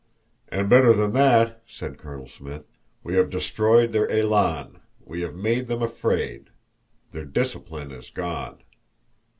"And better than that," said Colonel Smith, "we have destroyed their elan; we have made them afraid. Their discipline is gone."